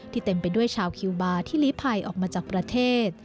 ที่เต็มไปด้วยชาวคิวบาที่หลีดไพไดออกมาจากประเทศ